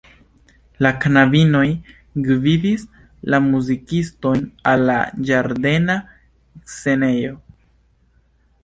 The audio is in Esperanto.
La knabinoj gvidis la muzikistojn al la ĝardena scenejo.